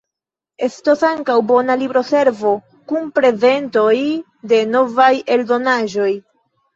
Estos ankaŭ bona libro-servo kun prezentoj de novaj eldonaĵoj.